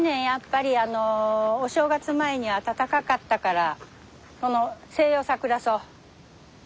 やっぱりあのお正月前に暖かかったからこの西洋サクラソウ。